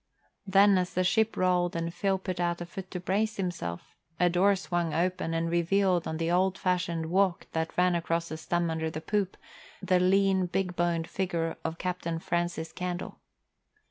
Then, as the ship rolled and Phil put out a foot to brace himself, a door swung open and revealed on the old fashioned walk that ran across the stem under the poop, the lean, big boned figure of Captain Francis Candle.